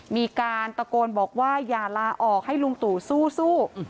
มีการตะโกนบอกว่าอย่าลาออกให้ลุงตู่สู้